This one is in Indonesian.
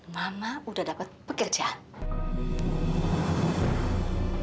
mama udah dapat pekerjaan